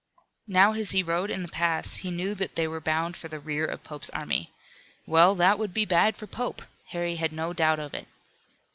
Now as he rode in the pass he knew that they were bound for the rear of Pope's army. Well, that would be bad for Pope! Harry had no doubt of it.